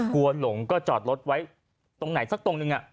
หลงก็จอดรถไว้ตรงไหนสักตรงหนึ่ง